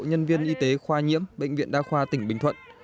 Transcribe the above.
nhân viên y tế khoa nhiễm bệnh viện đa khoa tỉnh bình thuận